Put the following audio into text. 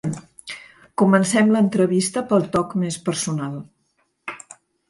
Comencem l’entrevista pel toc més personal.